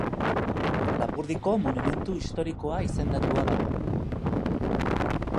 Lapurdiko monumentu historikoa izendatua dago.